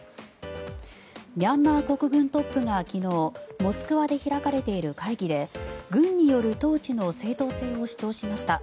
ミャンマー国軍トップが、昨日モスクワで開かれている会議で軍による統治の正当性を主張しました。